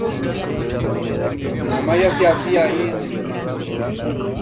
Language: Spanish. Se dedicaba a la caza de ballenas.